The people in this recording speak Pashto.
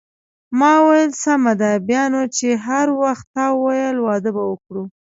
ما وویل: سمه ده، بیا نو چې هر وخت تا وویل واده به وکړو.